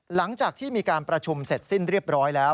หลังจากที่มีการประชุมเสร็จสิ้นเรียบร้อยแล้ว